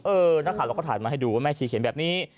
นักข่าวเราก็ถ่ายมาให้ดูว่าแม่ชีเขียนแบบนี้